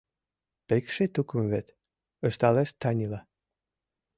— Пекши тукым вет, — ышталеш Танила.